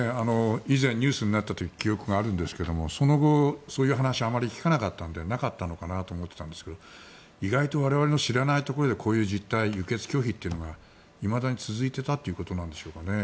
以前、ニュースになった時記憶にあるんですけどその後、そういう話あまり聞かなかったのでなかったのかなと思ってたんですが意外と我々の知らないところでこういう実態輸血拒否というのがいまだに続いていたということなんでしょうかね。